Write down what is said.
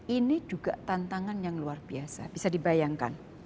ini juga tantangan yang luar biasa bisa dibayangkan